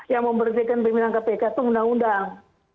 yang memberhentikan pimpinan kpk itu undang undang